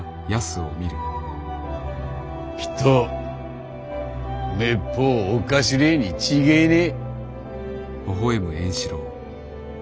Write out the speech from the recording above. きっとめっぽうおかしれぇに違えねぇ。